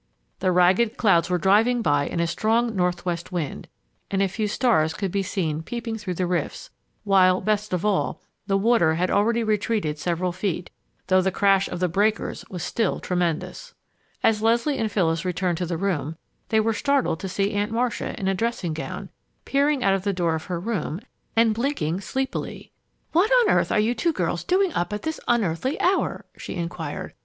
The ragged clouds were driving by in a strong northwest wind, and a few stars could be seen peeping through the rifts, while, best of all, the water had already retreated several feet, though the crash of the breakers was still tremendous. As Leslie and Phyllis returned to the room, they were startled to see Aunt Marcia, in a dressing gown, peering out of the door of her room and blinking sleepily. "What on earth are you two girls doing up at this unearthly hour?" she inquired.